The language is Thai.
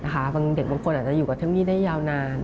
บางเด็กบางคนอาจจะอยู่กับเทมมี่ได้ยาวนาน